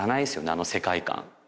あの世界観